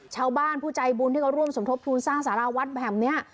ชาวบ้านผู้ใจบุญที่เขาร่วมสมทบทุนสร้างสาราวัดแบบนี้